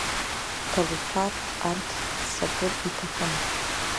Ҭалуԥар арҭ ццакыр иҭахын.